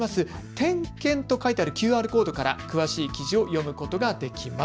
点検と書いてあるＱＲコードから詳しい記事を読むことができます。